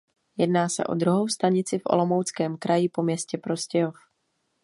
Jedná se o druhou stanici v Olomouckém kraji po městě Prostějov.